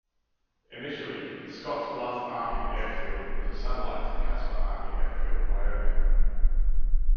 Initially, Scottsbluff Army Airfield was a satellite to Casper Army Air Field, Wyoming.